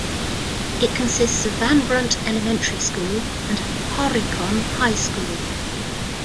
It consists of Van Brunt Elementary School and Horicon High School.